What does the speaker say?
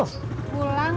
am burn ya carro